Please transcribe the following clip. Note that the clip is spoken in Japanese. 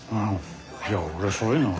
いや俺そういうのは。